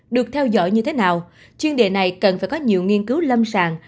được theo dõi như thế nào chuyên đề này cần phải có nhiều nghiên cứu lâm sàng